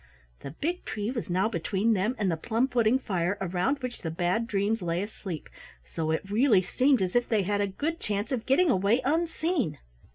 The big tree was now between them and the plum pudding fire around which the Bad Dreams lay asleep, so it really seemed as if they had a good chance of getting away unseen.